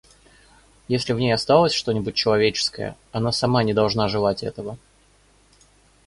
Если в ней осталось что-нибудь человеческое, она сама не должна желать этого.